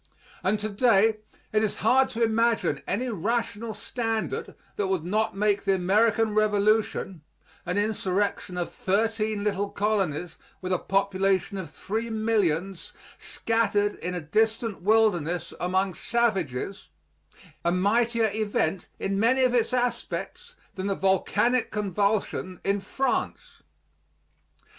And to day it is hard to imagine any rational standard that would not make the American Revolution an insurrection of thirteen little colonies, with a population of 3,000,000 scattered in a distant wilderness among savages a mightier event in many of its aspects than the volcanic convulsion in France.